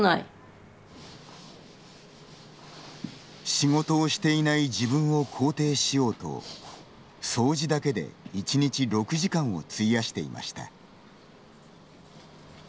仕事をしていない自分を肯定しようと掃除だけで１日６時間を費やしていました。